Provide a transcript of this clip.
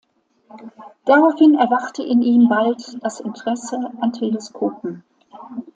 Daraufhin erwachte in ihm bald das Interesse an Teleskopen.